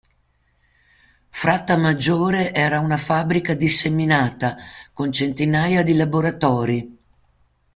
Frattamaggiore era una fabbrica disseminata, con centinaia di laboratori.